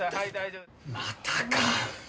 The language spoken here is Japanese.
またか。